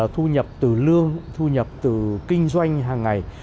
thu nhập từ lương thu nhập từ kinh doanh hàng ngày